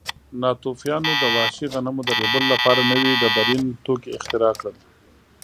ناتوفیانو د وحشي غنمو د ریبلو لپاره نوي ډبرین توکي اختراع کړل.